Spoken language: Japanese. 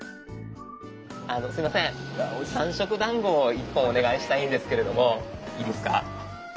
あのすいません三色団子を１本お願いしたいんですけれどもいいですか。